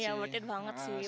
iya worth it banget sih bagus